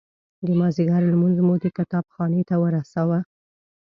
د مازدیګر لمونځ مو د کتاب خانې ته ورساوه.